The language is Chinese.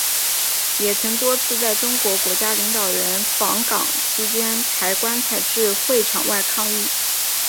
也曾多次在中国国家领导人访港期间抬棺材至会场外抗议。